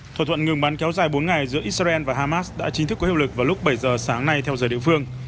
thỏa thuận ngừng bắn kéo dài bốn ngày giữa israel và hamas đã chính thức có hiệu lực vào lúc bảy giờ sáng nay theo giờ địa phương